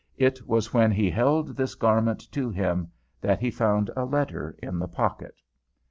It was when he held this garment to him that he found a letter in the pocket.